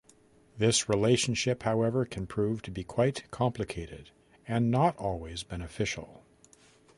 This relationship however can prove to be quite complicated and not always beneficial.